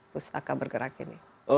pustaka bergerak ini